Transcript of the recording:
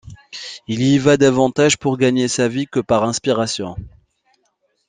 Il y va davantage pour gagner sa vie que par inspiration.